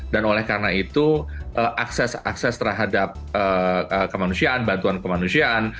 dan oleh karena itu akses akses terhadap kemanusiaan bantuan kemanusiaan